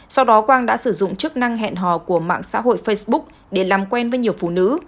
sau đó quang đã sử dụng chức năng hẹn hò của mạng xã hội facebook để làm quen với nhiều phụ nữ